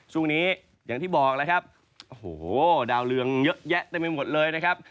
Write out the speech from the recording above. ช่วงนี้อย่างที่บอกแล้วครับโอ้โหดาวเรืองเยอะแยะเต็มไปหมดเลยนะครับ